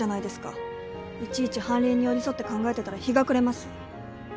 いちいち判例に寄り添って考えてたら日が暮れます。